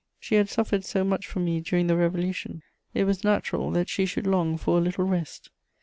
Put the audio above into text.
She had suffered so much for me during the Revolution; it was natural that she should long for a little rest.